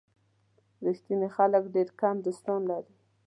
ریښتیني خلک ډېر کم دوستان لري.